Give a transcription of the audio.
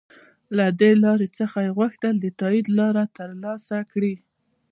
له دې لارې څخه یې غوښتل د تایید رایه تر لاسه کړي.